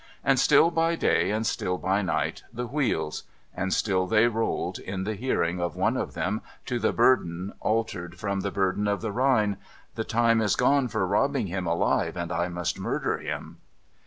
And still by day, and still by night, the wheels. And still they rolled, in the hearing of one of them, to the burden, altered from the burden of the Rhine :' The time is gone for robbing him alive, and I must murder him.'